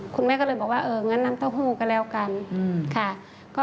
คุณแม่ก็เลยบอกว่าเอองั้นน้ำเต้าหู้ก็แล้วกันค่ะ